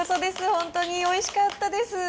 本当においしかったです。